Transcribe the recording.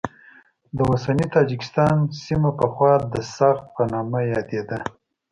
د اوسني تاجکستان سیمه پخوا د سغد په نامه یادېده.